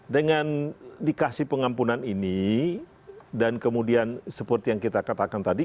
dengan dikasih pengampunan ini dan kemudian seperti yang kita katakan tadi